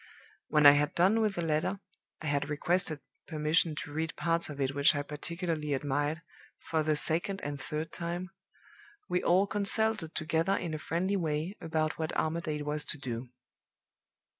"When I had done with the letter I had requested permission to read parts of it which I particularly admired, for the second and third time! we all consulted together in a friendly way about what Armadale was to do.